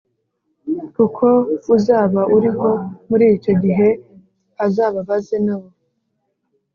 Kuko uzaba uriho muri icyo gihe azababaze nabo